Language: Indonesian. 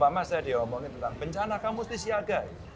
pertama saya diomongin tentang bencana kamu harus disiagai